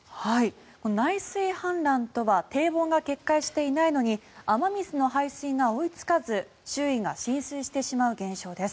この内水氾濫とは堤防が決壊していないのに雨水の排水が追いつかず周囲が浸水してしまう現象です。